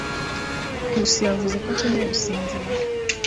Nkusi yavuze ko akeneye gusinzira.